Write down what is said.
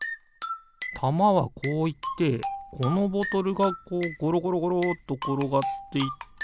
たまはこういってこのボトルがこうゴロゴロゴロところがっていって。